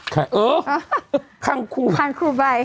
ไปดูครั้งคู่ไบ